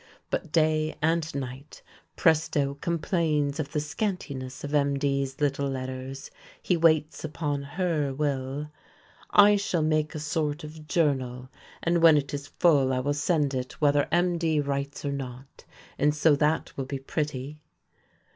But day and night Presto complains of the scantiness of MD's little letters; he waits upon "her" will: "I shall make a sort of journal, and when it is full I will send it whether MD writes or not; and so that will be pretty."